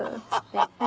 ハハハハ！